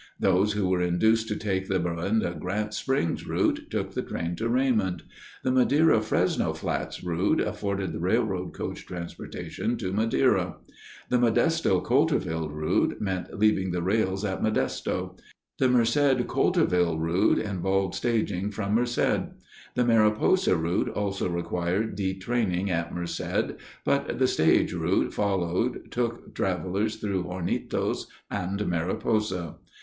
Those who were induced to take the Berenda Grants Springs route took the train to Raymond. The Madera Fresno Flats route afforded railroad coach transportation to Madera. The Modesto Coulterville route meant leaving the rails at Modesto. The Merced Coulterville route involved staging from Merced. The Mariposa route also required detraining at Merced, but the stage route followed took travelers through Hornitos and Mariposa.